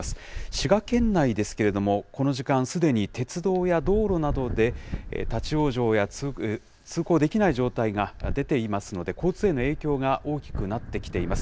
滋賀県内ですけれども、この時間、すでに鉄道や道路などで、立往生や通行できない状況が出ていますので、交通への影響が大きくなってきています。